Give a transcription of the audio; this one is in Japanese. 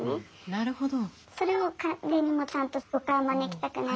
なるほど。